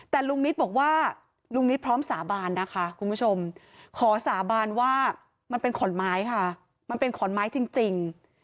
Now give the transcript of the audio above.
แต่ลุงนิตบอกว่าลุงนิดพร้อมสาบานนะคะคุณผู้ชมขอสาบานว่ามันเป็นขอนไม้ค่ะมันเป็นขอนไม้จริง